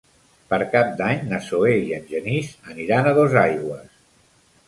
Per Cap d'Any na Zoè i en Genís aniran a Dosaigües.